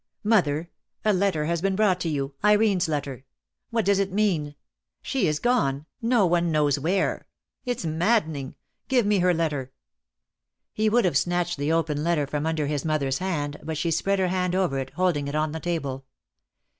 "Mother, a letter has been brought to you — Irene's letter. What does it mean? She is gone — no one knows where! It's maddening! Give me her letter." Dead Love has Chains. 1 8 274 DEAD LOVE HAS CHAINS. He would have snatched the open letter from under his mother's hand, but she spread her hand over it, holding it on the table.